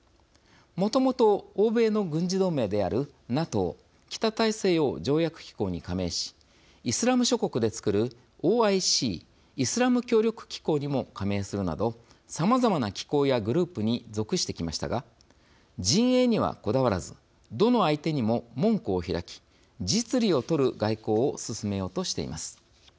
もともと、欧米の軍事同盟であるＮＡＴＯ＝北大西洋条約機構に加盟しイスラム諸国でつくるＯＩＣ＝イスラム協力機構にも加盟するなどさまざまな機構やグループに属してきましたが陣営にはこだわらずどの相手にも門戸を開き実利を取る外交を進めようとしています。